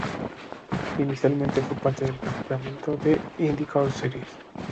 Inicialmente, fue parte del campeonato de IndyCar Series.